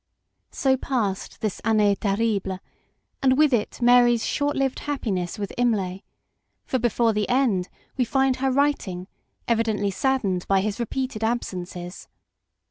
So passed this annee terrible, and with it Mary's short lived happiness with Imlay, for before the end we find her writing, evidently saddened by his re peated absences.